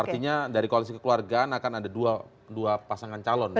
artinya dari koalisi kekeluargaan akan ada dua pasangan calon ya